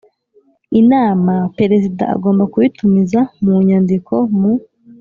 Inama Perezida agomba kuyitumiza mu nyandiko mu